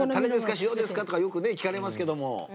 塩ですか？ってよく聞かれますけども。